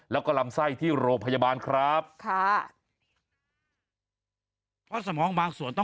และกล่ามไส้ที่โรบพยาบาลครับค่ะสมองบางส่วน